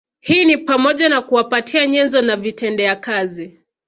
Hii ni pamoja na kuwapatia nyenzo na vitendea kazi